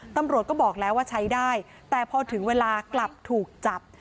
ตำรวจก็บอกแล้วว่าใช้ได้แต่พอถึงเวลากลับถูกจับ